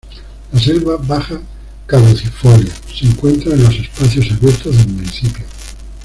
La selva baja caducifolia, se encuentra en los espacios abiertos del municipio.